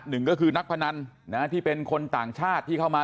หนึ่งก็คือนักพนันที่เป็นคนต่างชาติที่เข้ามา